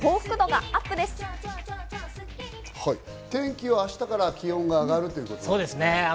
天気は明日から気温が上がるということですね。